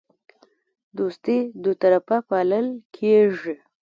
دوستي دوطرفه پالل کیږي